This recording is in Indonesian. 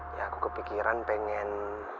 ya aku kepikiran pengen